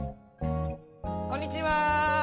こんにちは。